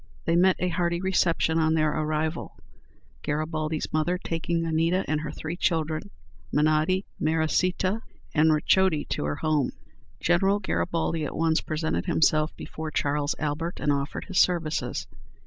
They met a hearty reception on their arrival; Garibaldi's mother taking Anita and her three children, Menotti, Meresita, and Ricciotti, to her home. General Garibaldi at once presented himself before Charles Albert, and offered his services.